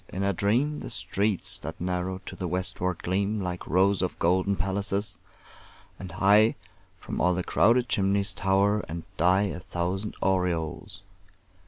In a dream The streets that narrow to the westward gleam Like rows of golden palaces; and high From all the crowded chimneys tower and die A thousand aureoles.